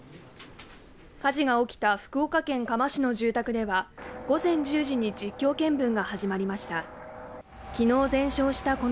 火事が起きた福岡県嘉麻市の住宅では午前１０時に実況見分が始まりました